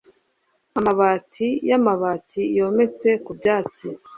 amabati y'amabati yometse ku byatsi